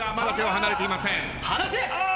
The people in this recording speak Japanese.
離せ！